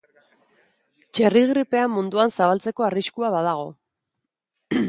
Txerri gripea munduan zabaltzeko arriskua badago.